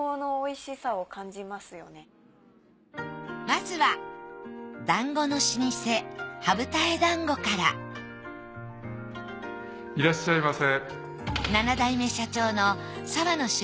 まずは団子の老舗羽二重団子からいらっしゃいませ。